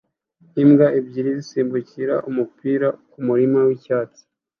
imbwa ebyiri zisimbukira umupira kumurima wicyatsi